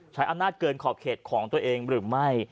ใช้อำนาจเกินขอบเขตของตัวเองหรือไม่